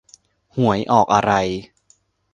หวยออกอะไร